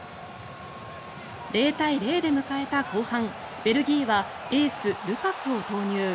０対０で迎えた後半ベルギーはエース、ルカクを投入。